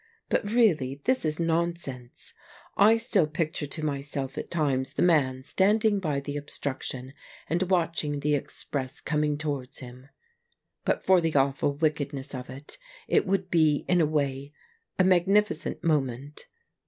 But, really, this is nonsense. I 78 THE MAGNET still picture to myself at times the man standing by the obstruction and watching the express coming towards him. But for the awful wickedness of it, it would be, in a way, a magnificent moment.